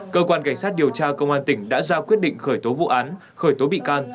cơ quan cảnh sát điều tra công an tỉnh đã ra quyết định khởi tố vụ án khởi tố bị can